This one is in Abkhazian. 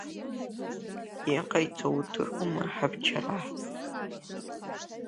Иҟаиҵо удыруама ҳабчараҳ?